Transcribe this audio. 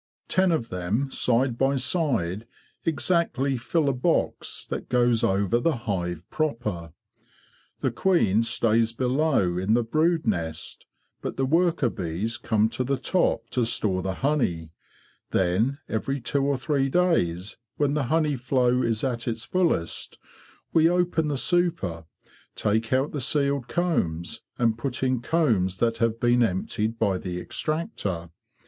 Ten of them side by side exactly fill a box that goes over the hive proper. The queen stays below in the brood nest, but the worker bees come to the top to store the honey. Then, every two or three days, when the honey flow is at its fullest, we open the super, take out the sealed combs, and put in combs that have been emptied by the extractor.